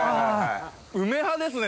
梅派ですね！